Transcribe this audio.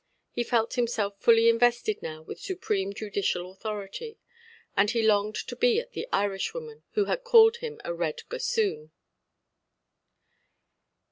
He felt himself fully invested now with supreme judicial authority, and he longed to be at the Irishwoman, who had called him a "red gossoon".